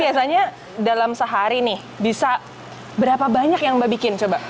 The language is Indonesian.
biasanya dalam sehari nih bisa berapa banyak yang mbak bikin coba